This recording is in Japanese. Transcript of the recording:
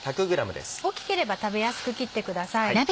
大きければ食べやすく切ってください。